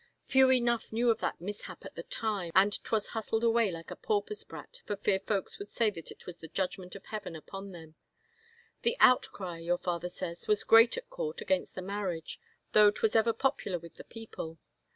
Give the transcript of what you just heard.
Few enough knew of that mishap at the time, and 'twas hustled away like a pauper's brat for fear folks would say that it was the judgment of Heaven upon them. The outcry, your father says, was great at court against the marriage, though 'twas ever popular with the people.